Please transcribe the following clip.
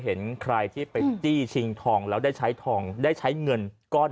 เห็นใครที่ไปจี้ชิงทองแล้วได้ใช้ทองได้ใช้เงินก้อน